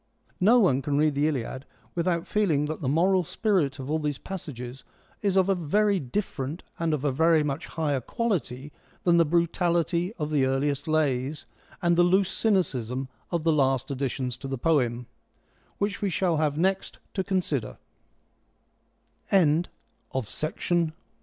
No one can read the Iliad without feeling that the moral spirit of all these passages is of a very different and of a very much higher quality than the brutality of the earliest lays, and the loose cynicism of the last additions to the poem, which we shall have nex